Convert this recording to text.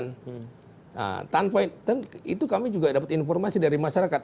nah tanpa itu kami juga dapat informasi dari masyarakat